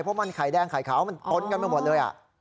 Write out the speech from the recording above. เพราะมันไข่แดงไข่ขาวมันปนกันไปหมดเลย